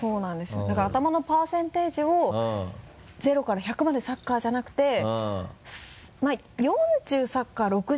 だから頭のパーセンテージを０１００までサッカーじゃなくてまぁ４０サッカー６０